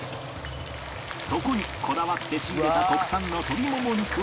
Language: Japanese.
そこにこだわって仕入れた国産の鶏もも肉を入れ